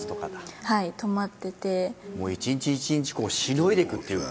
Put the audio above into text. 一日一日しのいでくっていう。